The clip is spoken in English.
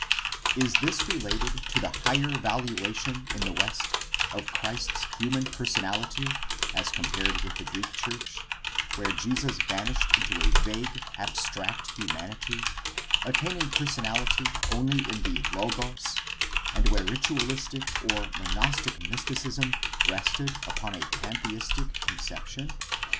Is this related to the higher valuation in the West of Christ's human personality as compared with the Greek church, where Jesus vanished into a vague, abstract humanity, attaining person ality only in the Logos, and where ritualistic or monastic mysti cism rested upon a pantheistic conception